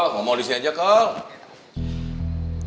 ngomong disini aja kau